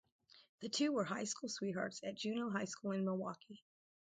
The two were high-school sweethearts at Juneau High School in Milwaukee.